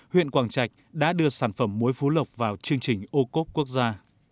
huyện quảng trạch đã đưa sản phẩm muối phú lộc vào chương trình ô cốp quốc gia